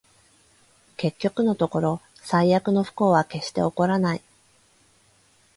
結局のところ、最悪の不幸は決して起こらない